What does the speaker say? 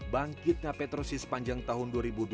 bangkitnya petrosi sepanjang tahun dua ribu dua puluh